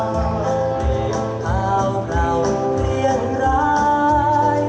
เป็นเท่าเราเครียงร้าย